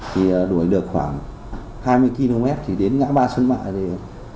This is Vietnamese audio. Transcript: thì đuổi được khoảng hai mươi km thì đến ngã ba xuân mạng